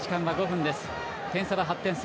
点差は８点差。